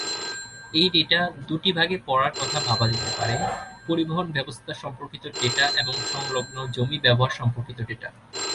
এই ডেটা দুটি ভাগে পড়ার কথা ভাবা যেতে পারে: পরিবহন ব্যবস্থা সম্পর্কিত ডেটা এবং সংলগ্ন জমি ব্যবহার সম্পর্কিত ডেটা।